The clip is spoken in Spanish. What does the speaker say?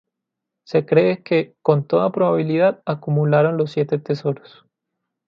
Se cree que, con toda probabilidad, acumularon los Siete Tesoros.